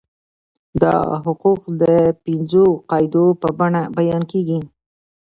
دا حقوق د پنځو قاعدو په بڼه بیان کیږي.